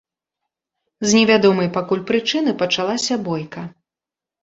З не вядомай пакуль прычыны пачалася бойка.